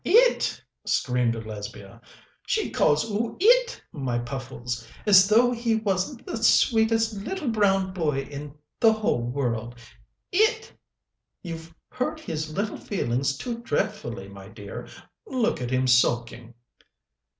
"It!" screamed Lesbia. "She calls 'oo it, my Puffles! as though he wasn't the sweetest little brown boy in the whole world. It! You've hurt his little feelings too dreadfully, my dear look at him sulking!"